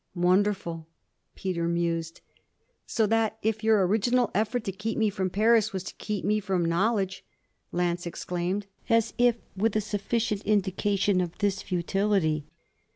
'Wonderful,' Peter mused. 'So that if your original effort to keep me from Paris was to keep me from knowledge !' Lance exclaimed as if with a sufficient indication of this futility.